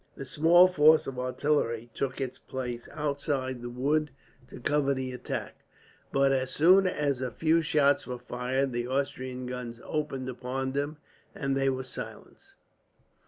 The small force of artillery took its place outside the wood to cover the attack but, as soon as a few shots were fired, the Austrian guns opened upon them and they were silenced.